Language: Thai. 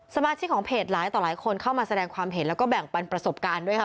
สมาชิกของเพจหลายต่อหลายคนเข้ามาแสดงความเห็นแล้วก็แบ่งปันประสบการณ์ด้วยค่ะ